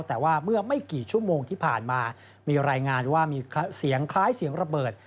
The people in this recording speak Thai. แต่ว่าเมื่อไม่กี่ชั่วโมงที่ผ่านมามีรายงานว่ามีเสียงคล้ายเสียงระเบิด